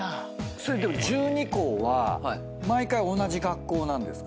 それでも１２校は毎回同じ学校なんですか？